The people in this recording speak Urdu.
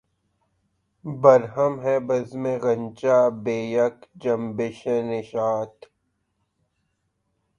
برہم ہے بزمِ غنچہ بہ یک جنبشِ نشاط